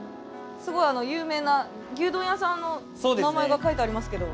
すごい有名な牛丼屋さんの名前が書いてありますけど。